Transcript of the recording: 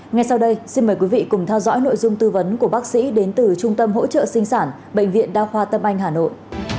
ngay sau đây xin mời quý vị cùng theo dõi nội dung tư vấn của bác sĩ đến từ trung tâm hỗ trợ sinh sản bệnh viện đa khoa tâm anh hà nội